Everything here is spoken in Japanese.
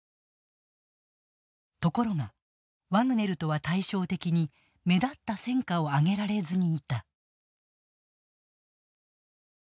ところが、ワグネルとは対照的に目立った戦果を上げられずにいた。